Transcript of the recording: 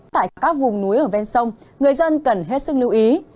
tại các vùng núi ở ven sông người dân cần hết sức lưu ý